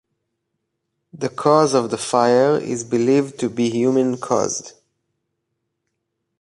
The cause of the fire is believed to be human caused.